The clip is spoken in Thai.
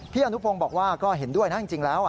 อนุพงศ์บอกว่าก็เห็นด้วยนะจริงแล้ว